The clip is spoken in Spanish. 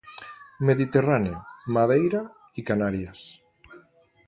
Mediterráneo, Madeira y Canarias.